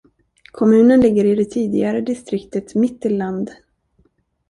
Kommunen ligger i det tidigare distriktet Mittelland.